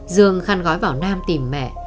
dương khăn gói vào nam tìm mẹ